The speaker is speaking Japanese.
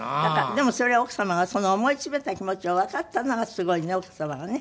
でもそれは奥様がその思い詰めた気持ちをわかったならすごいね奥様がね。